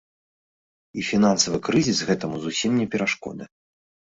І фінансавы крызіс гэтаму зусім не перашкода.